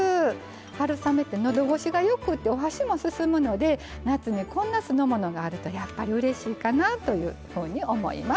春雨って、のどごしがよくてお箸も進むので夏にこんな酢の物があるとやっぱりうれしいかなというふうに思います。